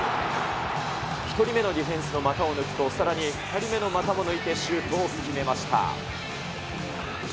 １人目のディフェンスの股を抜くと、さらに２人目の股も抜いてシュートを決めました。